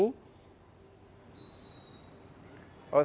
di periode penerbangan ini